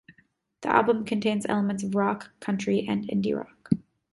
The album contains elements of rock, country and indie rock.